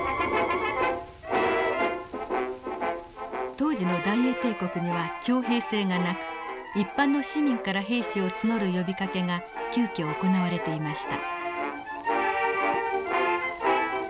当時の大英帝国には徴兵制がなく一般の市民から兵士を募る呼びかけが急きょ行われていました。